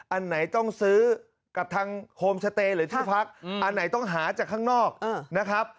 อันไหนต้องซื้อกับทางโฮมสเตย์หรือที่พักอันไหนต้องหาจากข้างนอกนะครับ